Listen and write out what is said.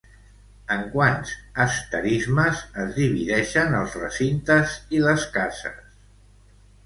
En quants asterismes es divideixen els recintes i les cases?